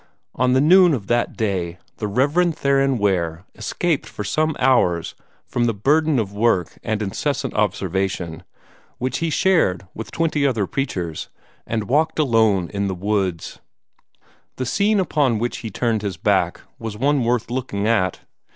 On the noon of that day the Rev. Theron Ware escaped for some hours from the burden of work and incessant observation which he shared with twenty other preachers, and walked alone in the woods. The scene upon which he turned his back was one worth looking at.